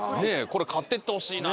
これ買っていってほしいな。